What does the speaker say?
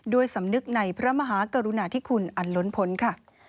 สำนึกในพระมหากรุณาธิคุณอันล้นพ้นค่ะ